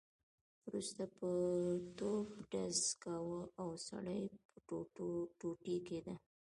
وروسته به توپ ډز کاوه او سړی به ټوټې کېده.